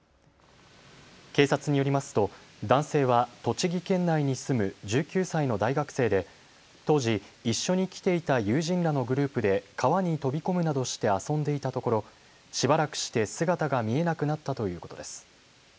警察によりますと男性は栃木県内に住む１９歳の大学生で当時、一緒に来ていた友人らのグループで川に飛び込むなどして遊んでいたところしばらくして姿が見えなくなったということです。